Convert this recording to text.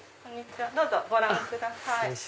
どうぞご覧ください。